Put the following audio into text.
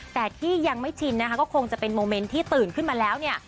แต่ที่ยังไม่ชินนะคะก็คงจะเป็นโมเมนต์ที่ตื่นขึ้นมาแล้วเนี่ย